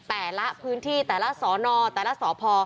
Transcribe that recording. แต่ละพื้นที่แต่ละสอนอแต่ละสพ